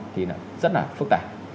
thì là rất là phức tạp